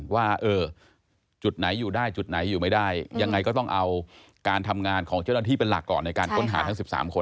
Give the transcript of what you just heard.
ว่าจุดไหนอยู่ได้จุดไหนอยู่ไม่ได้ยังไงก็ต้องเอาการทำงานของเจ้าหน้าที่เป็นหลักก่อนในการค้นหาทั้ง๑๓คน